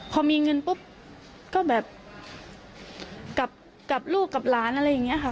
พอมีเงินปุ๊บก็แบบกับลูกกับหลานอะไรอย่างนี้ค่ะ